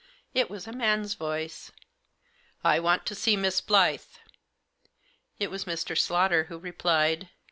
It was a man's voice. " I want to see Miss Blyth." It was Mr. Slaughter who replied.